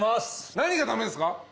何が駄目ですか？